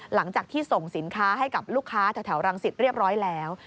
หลังจากที่ส่งสินค้าให้กับลูกค้าแถวรังสิตเรียบร้อยแล้ว